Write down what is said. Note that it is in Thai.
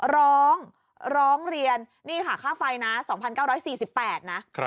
ร้องร้องเรียนนี่ค่ะค่าไฟนะ๒๙๔๘นะ